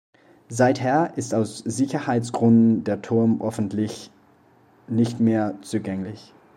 Seither ist aus Sicherheitsgründen der Turm öffentlich nicht mehr zugänglich.